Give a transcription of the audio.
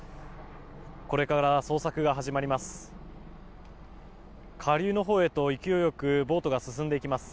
これから捜索が始まります。